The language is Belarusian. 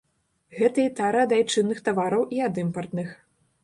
Гэта і тара ад айчынных тавараў, і ад імпартных.